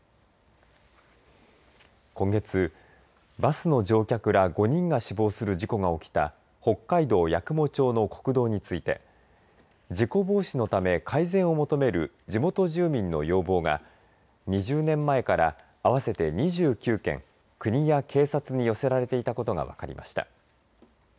今月、バスの乗客ら５人が死亡する事故が起きた北海道八雲町の国道について事故防止のため改善を求める地元住民の要望が２０年前から合わせて２９件国や警察に寄せられていたことが分かりました。